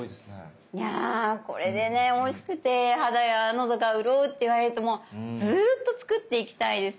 いやこれでねおいしくて肌やのどがうるおうっていわれるともうずっと作っていきたいですよ。